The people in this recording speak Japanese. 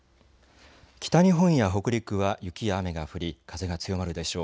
北日本や北陸は雪や雨が降り風が強まるでしょう。